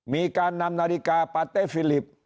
มีการนำนาฬิกาปาเต้ฟิลิป